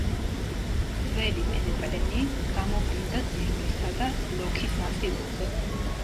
ძველი პენეპლენი გამოვლინდა ძირულისა და ლოქის მასივებზე.